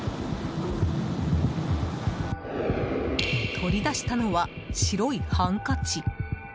取り出したのは、白いハンカチ。